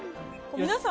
皆さん